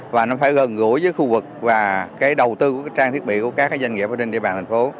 và nó phải gần gũi với khu vực và cái đầu tư của cái trang thiết bị của các doanh nghiệp ở trên địa bàn tp hcm